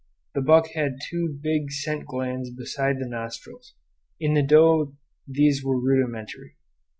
The buck had two big scent glands beside the nostrils; in the doe these were rudimentary.